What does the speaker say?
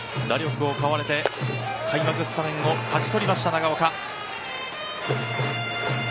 打力を買われて、開幕スタメンを勝ち取りました長岡。